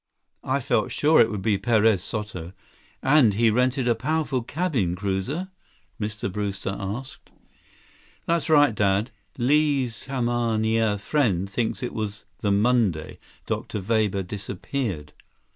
"I felt sure it would be Perez Soto. And he rented a powerful cabin cruiser?" Mr. Brewster asked. 84 "That's right, Dad. Li's kamaaina friend thinks it was the Monday Dr. Weber disappeared."